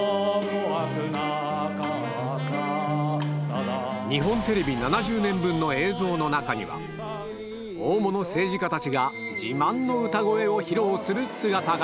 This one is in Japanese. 続いては日本テレビ７０年分の映像の中には大物政治家たちが自慢の歌声を披露する姿が